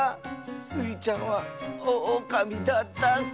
スイちゃんはオオカミだったッス！